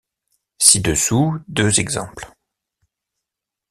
Ci-dessous, deux exemples.